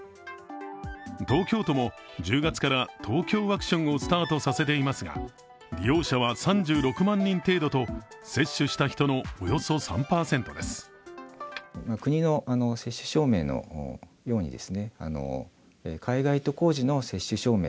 東京都も１０月からＴＯＫＹＯワクションをスタートさせていますが、利用者は３６万人程度と、接種した人のおよそ３％です。